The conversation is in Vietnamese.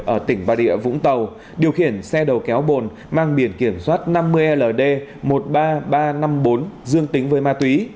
ở tỉnh bà rịa vũng tàu điều khiển xe đầu kéo bồn mang biển kiểm soát năm mươi ld một mươi ba nghìn ba trăm năm mươi bốn dương tính với ma túy